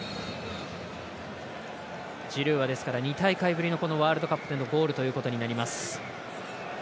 ジルーは、ですから２大会ぶりのワールドカップでのゴールということになります。